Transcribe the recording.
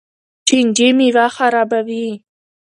چینجي میوه خرابوي.